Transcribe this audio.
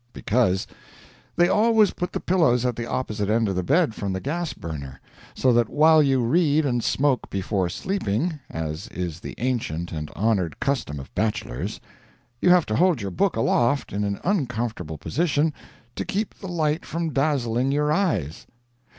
Because: They always put the pillows at the opposite end of the bed from the gas burner, so that while you read and smoke before sleeping (as is the ancient and honored custom of bachelors), you have to hold your book aloft, in an uncomfortable position, to keep the light from dazzling your eyes.